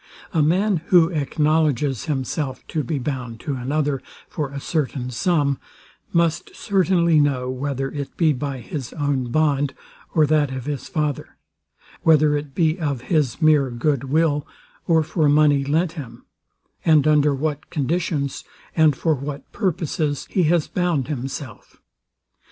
A man, who acknowledges himself to be bound to another, for a certain sum, must certainly know whether it be by his own bond, or that of his father; whether it be of his mere good will, or for money lent him; and under what conditions, and for what purposes he has bound himself.